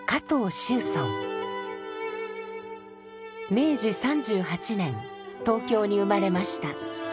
明治３８年東京に生まれました。